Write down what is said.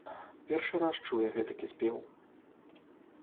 Першы раз чуе гэтакі спеў.